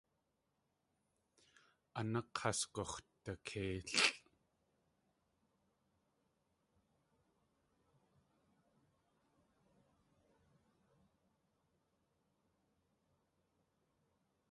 A nák̲ has gux̲dakéilʼ.